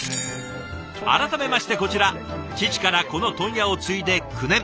改めましてこちら父からこの問屋を継いで９年。